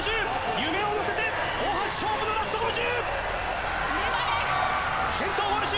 夢を乗せて、大橋勝負のラスト５０！